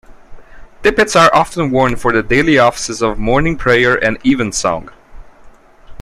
Tippets are often worn for the Daily Offices of Morning Prayer and Evensong.